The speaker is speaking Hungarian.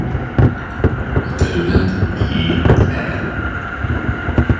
A terület i.e.